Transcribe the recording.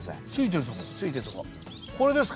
これですか？